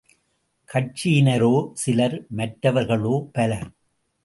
கட்சியினரோ சிலர், மற்றவர்களோ பலர்.